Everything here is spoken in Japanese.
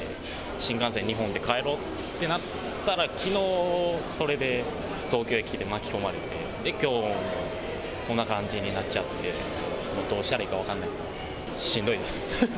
新幹線２本で帰ろうってなったら、きのうそれで東京駅で巻き込まれて、で、きょう、こんな感じになっちゃって、もうどうしたらいいか分からない、しんどいです。